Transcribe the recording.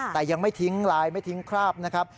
แต่ยังไม่ทิ้งลายไม่ทิ้งคราบนะครับ